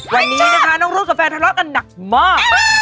วันนี้นะคะน้องรุ๊ดกับแฟนทะเลาะกันหนักมาก